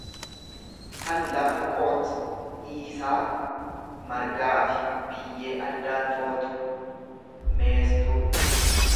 tan lafa qot iisaa margaafi biyyee addaan footu, meestuu.